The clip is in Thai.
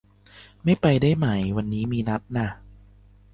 ไม่ไปได้ไหม วันนี้ มีนัดน่ะ